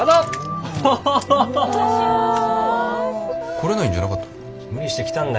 来れないんじゃなかったのか？